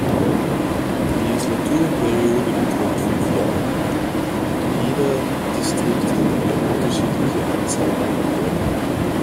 Die Legislaturperiode beträgt fünf Jahre, jeder Distrikt hat eine unterschiedliche Anzahl an Abgeordneten.